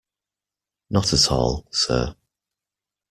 Not at all, sir.